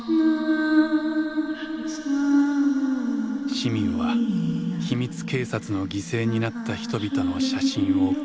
市民は秘密警察の犠牲になった人々の写真を掲げた。